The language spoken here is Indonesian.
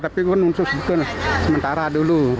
tapi kan untuk sebetulnya sementara dulu